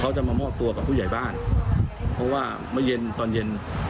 เพราะว่าเมื่อเย็นตอนเย็น